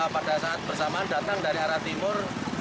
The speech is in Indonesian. pada saat bersamaan datang dari arah timur